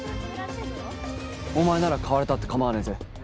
お前なら買われたって構わねえぜ。